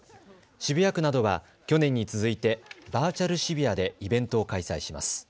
渋谷区などは去年に続いてバーチャル渋谷でイベントを開催します。